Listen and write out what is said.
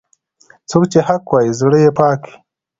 څوک چې حق وايي، زړه یې پاک وي.